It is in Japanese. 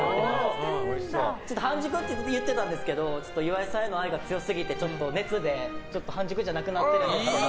半熟と言ってたんですけど岩井さんへの愛が強すぎてちょっと熱で半熟じゃなくなってるんですけど。